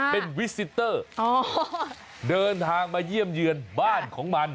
เป็นวิซิเตอร์เดินทางมาเยี่ยมเยือนบ้านของมัน